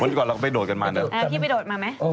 เหมือนกับเราก็ไปโดดกันมาโดดกัน